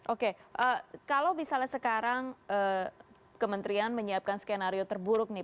oke kalau misalnya sekarang kementerian menyiapkan skenario terburuk nih